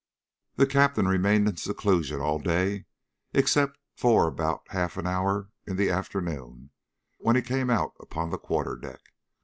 The Captain remained in seclusion all day except for about half an hour in the afternoon, when he came out upon the quarterdeck.